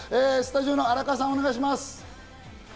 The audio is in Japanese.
スタジオの荒川さん、お願いします。